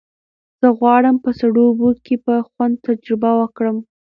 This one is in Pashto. زه غواړم په سړو اوبو کې په خوند تجربه وکړم.